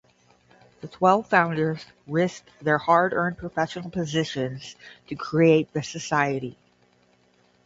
The twelve founders risked their hard-earned professional positions to create the society.